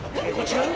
違う。